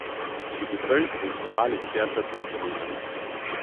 Die Bevölkerungszahl ist derzeit abnehmend.